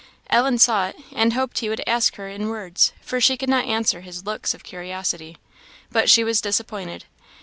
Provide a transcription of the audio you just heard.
Ellen saw it, and hoped he would ask her in words, for she could not answer his looks of curiosity but she was disappointed.